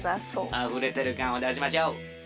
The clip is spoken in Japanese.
あふれてるかんをだしましょう。